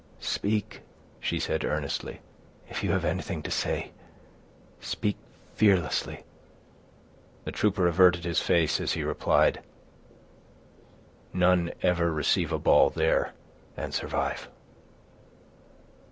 "Speak," she said, earnestly; "if you have anything to say, speak fearlessly." The trooper averted his face as he replied, "None ever receive a ball there, and survive."